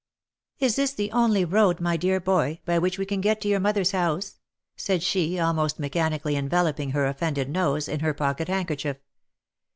" Is this the only road, my dear boy, by which we can get to your mother's house V said she, almost 'mechanically enveloping her offended nose, in her pocket handkerchief.